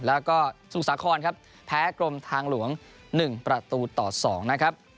แล้วก็สุสาครครับแพ้กรมทางหลวงหนึ่งประตูต่อสองนะครับ